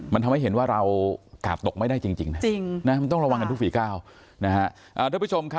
มันทำให้เห็นว่าเรากาดตกไม่ได้จริงจริงจริงนะมันต้องระวังกันทุกฝีก้าวนะฮะอ่าทุกผู้ชมครับ